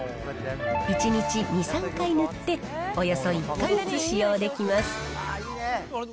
１日２、３回塗って、およそ１か月使用できます。